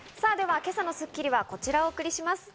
今朝の『スッキリ』はこちらをお送りします。